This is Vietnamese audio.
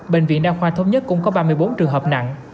bệnh viện đa khoa thống nhất cũng có ba mươi bốn trường hợp nặng